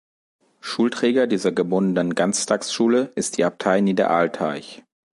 Schulträger dieser gebundenen Ganztagsschule ist die Abtei Niederaltaich.